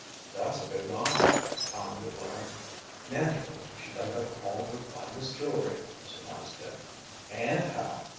"That's a big honor," commented Larry. "Naturally she dug up all her finest jewelry," surmised Dick. "And how!"